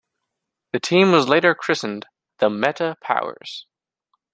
The team was later christened "The Meta Powers".